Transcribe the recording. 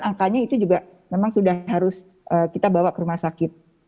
angkanya itu juga memang sudah harus kita bawa ke rumah sakit